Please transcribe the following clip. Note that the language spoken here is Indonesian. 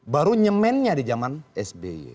baru nyemennya di zaman sby